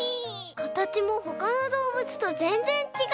かたちもほかのどうぶつとぜんぜんちがう！